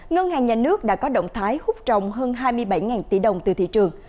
ngân hàng nhà nước đã có động thái hút trồng hơn hai mươi bảy tỷ đồng từ thị trường